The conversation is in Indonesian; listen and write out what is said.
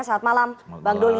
selamat malam bang doli